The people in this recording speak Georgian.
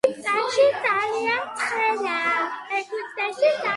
ეგვიპტეში ძალიან ცხელა